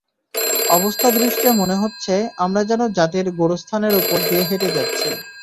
অবস্থাদৃষ্টে মনে হচ্ছে, আমরা যেন জাতির গোরস্থানের ওপর দিয়ে হেঁটে যাচ্ছি।